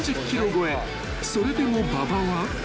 ［それでも馬場は］